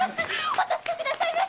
お助けくださいまし！